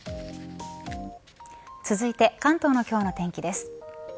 続いて関東の今日の天気です。